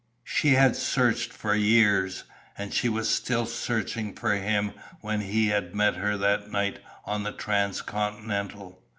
She had searched for years. And she was still searching for him when he had met her that night on the Transcontinental!